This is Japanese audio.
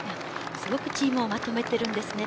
すごくチームをまとめているんです。